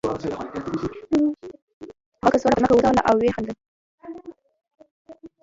هغه کڅوړه په ځمکه وغورځوله او ویې خندل